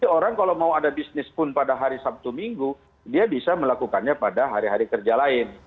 orang kalau mau ada bisnis pun pada hari sabtu minggu dia bisa melakukannya pada hari hari kerja lain